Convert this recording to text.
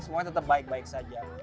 semuanya tetap baik baik saja